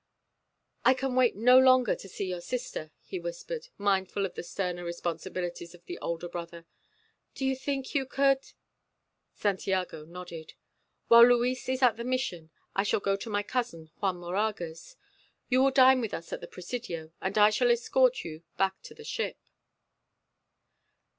"I can wait no longer to see your sister," he whispered, mindful of the sterner responsibilities of the older brother. "Do you think you could " Santiago nodded. "While Luis is at the Mission I shall go to my cousin Juan Moraga's. You will dine with us at the Presidio, and I shall escort you back to the ship."